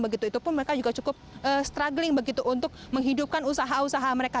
begitu itu pun mereka juga cukup struggling begitu untuk menghidupkan usaha usaha mereka